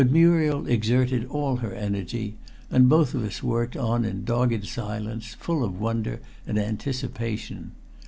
But Muriel exerted all her energy, and both of us worked on in dogged silence full of wonder and anticipation.